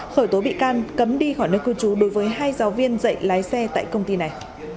khởi tố bị can cấm đi khỏi nước cư trú đối với hai giáo viên dạy lái xe tại công ty này